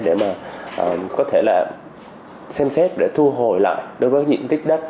để mà có thể là xem xét để thu hồi lại đối với diện tích đất